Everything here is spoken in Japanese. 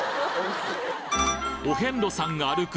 お遍路さんが歩く